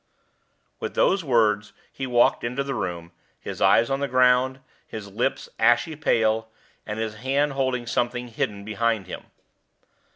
With those words he walked into the room, his eyes on the ground, his lips ashy pale, and his hand holding something hidden behind him.